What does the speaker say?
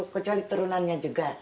kecuali turunannya juga